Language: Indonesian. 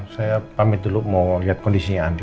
saya pamit dulu mau lihat kondisinya